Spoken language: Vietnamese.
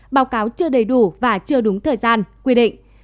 báo cáo chưa đầy đủ và chưa đúng thời gian quy định